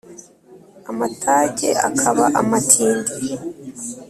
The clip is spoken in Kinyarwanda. Amatage akaba amatindi